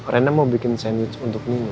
rena mau bikin sandwich untuk nino